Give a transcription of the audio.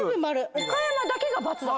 岡山だけが「×」だった。